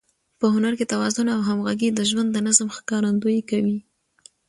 په هنر کې توازن او همغږي د ژوند د نظم ښکارندويي کوي.